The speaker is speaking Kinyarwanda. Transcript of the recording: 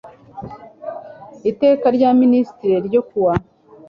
iteka rya minisitiri ryo ku wa